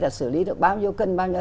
là xử lý được bao nhiêu cân bao nhiêu